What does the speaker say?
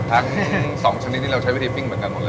อ่าฮะทั้ง๒ชนิดที่เราใช้วิธีปิ้งเหมือนกันกันเลย